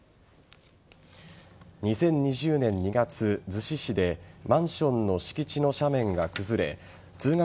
２０２０年２月逗子市でマンションの敷地の斜面が崩れ通学